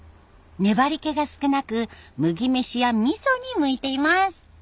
粘りけが少なく麦飯やみそに向いています。